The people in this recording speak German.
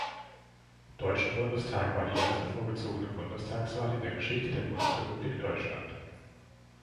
Deutschen Bundestag war die erste vorgezogene Bundestagswahl in der Geschichte der Bundesrepublik Deutschland.